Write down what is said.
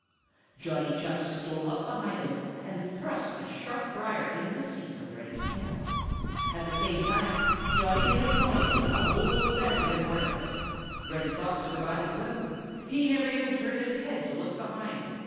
Johnny Chuck stole up behind him and thrust a sharp brier into the seat of Reddy's pants. At the same time Johnny made a noise like a whole family of hornets. Reddy Fox forgot his limp. He never even turned his head to look behind.